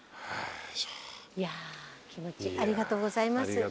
ありがとうございます。